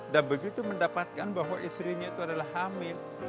dan begitu mendapatkan bahwa istrinya itu adalah hamil